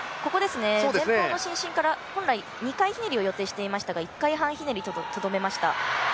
前方の伸身から本来、２回ひねりを予定していたんですが、１回半ひねりにしました。